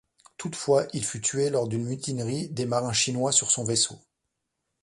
Toutefois, il fut tué lors d'une mutinerie des marins chinois sur son vaisseau.